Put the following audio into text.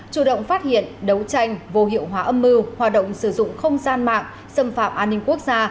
chủ động phát hiện đấu tranh vô hiệu hóa âm mưu hoạt động sử dụng không gian mạng xâm phạm an ninh quốc gia